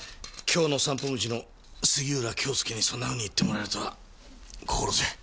「京の散歩道」の杉浦恭介にそんなふうに言ってもらえるとは心強い。